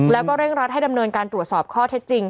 แล้วก็เร่งรัดให้ดำเนินการตรวจสอบข้อเท็จจริง